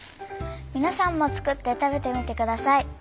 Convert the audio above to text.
皆さんも作って食べてみてください。